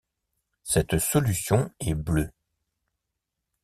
Cette solution est bleue.